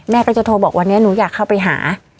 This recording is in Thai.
แม่ก็จะโทรบอกวันนี้หนูอยากเข้าไปหา